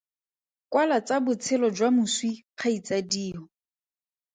Kwala tsa botshelo jwa moswi kgaitsadio.